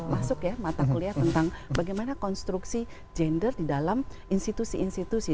masuk ya mata kuliah tentang bagaimana konstruksi gender di dalam institusi institusi